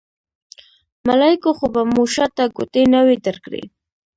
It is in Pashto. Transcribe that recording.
ملایکو خو به مو شاته ګوتې نه وي درکړې.